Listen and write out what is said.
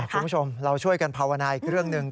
คุณผู้ชมเราช่วยกันภาวนาอีกเรื่องหนึ่ง